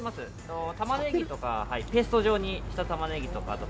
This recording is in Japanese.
玉ねぎとかペースト状にした玉ねぎとか。